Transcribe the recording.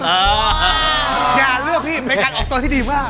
อย่าเลือกพี่เป็นการออกตัวที่ดีมาก